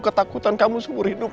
ketakutan kamu seumur hidup